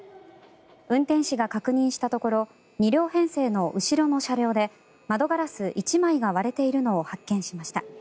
運転士が確認したところ２両編成の後ろの車両で窓ガラス１枚が割れているのを発見しました。